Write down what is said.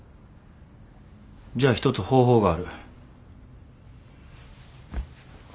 じゃあ一つ方法がある。